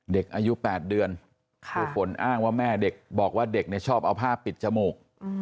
เด็กอายุ๘เดือนครูฝนอ้างว่าแม่เด็กบอกว่าเด็กชอบเอาผ้าปิดจมูก